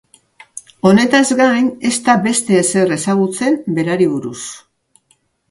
Honetaz gain, ez da beste ezer ezagutzen berari buruz.